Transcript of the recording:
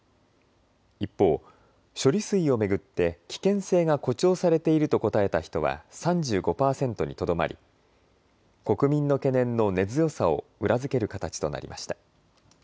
一方、処理水を巡って危険性が誇張されていると答えた人は３５％にとどまり国民の懸念の根強さを裏付ける形となりました。